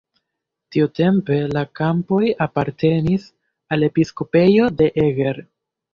Tiutempe la kampoj apartenis al episkopejo de Eger.